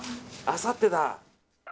あさってだ。